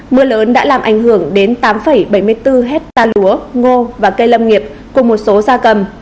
mưa lớn đã làm ảnh hưởng đến tám bảy mươi bốn hectare lúa ngô và cây lâm nghiệp cùng một số gia cầm